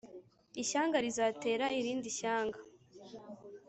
Ishyanga rizatera irindi shyanga